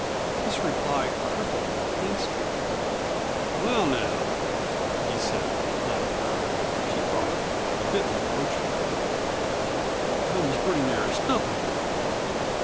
This reply crippled him instantly. "Well, now," he said, eyeing her, she thought, a bit reproachfully, "that comes pretty near stumpin' me.